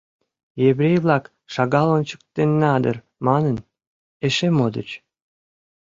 Еврей-влак, шагал ончыктенна дыр манын, эше модыч.